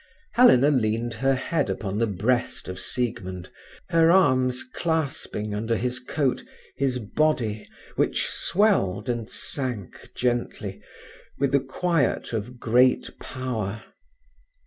Helena leaned her head upon the breast of Siegmund, her arms clasping, under his coat, his body, which swelled and sank gently, with the quiet of great power.